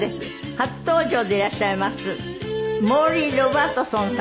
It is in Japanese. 初登場でいらっしゃいますモーリー・ロバートソンさんです。